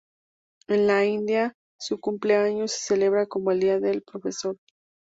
En la India, su cumpleaños se celebra como el Día del Profesor.